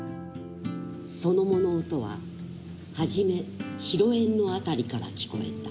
「その物音は初め広縁の辺りから聞こえた」